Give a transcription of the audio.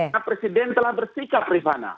karena presiden telah bersikap rifana